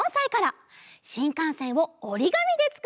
しんかんせんをおりがみでつくってくれました。